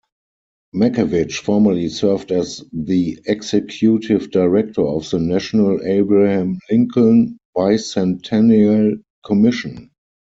Mackevich formerly served as the Executive Director of the national Abraham Lincoln Bicentennial Commission.